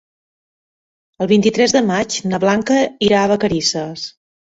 El vint-i-tres de maig na Blanca irà a Vacarisses.